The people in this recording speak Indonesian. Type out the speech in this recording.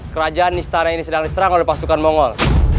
kerajaan istana ini sedang diserang oleh pasukan mongol